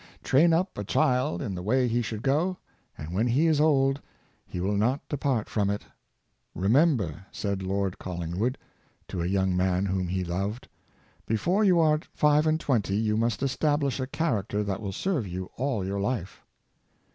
" Train up a child in the way he should go, and when he is old he will not depart from it." " Remember," said Lord Colling wood to a young man whom he loved, '' before you are five and twenty you must establish a character that will serve you all your life."